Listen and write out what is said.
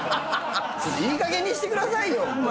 いいかげんにしてくださいよ！とも。